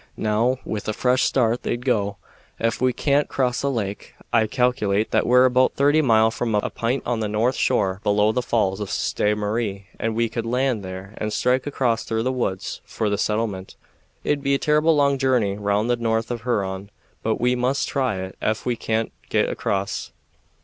Now, with a fresh start they'd do. Ef we can't cross the lake I calculate that we're about thirty mile from a p'int on the north shore below the falls of Ste. Marie, and we could land there and strike across through the woods for the settlement. It'd be a terrible long journey round the north of Huron, but we must try it ef we can't get across."